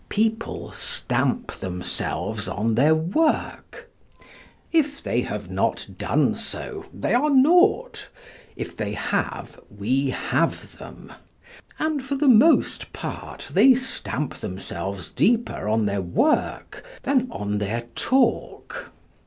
People stamp themselves on their work; if they have not done so they are naught; if they have we have them; and for the most part they stamp themselves deeper in their work than on their talk.